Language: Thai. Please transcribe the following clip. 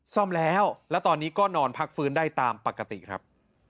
ซ่อมแล้วแล้วตอนนี้ก็นอนพักฟื้นได้ตามปกติครับ